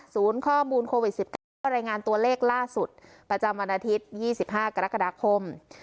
ศูนย์ข้อมูลโควิดสิบเก้ารายงานตัวเลขล่าสุดประจำวันอาทิตย์ยี่สิบห้ากรกฎาคม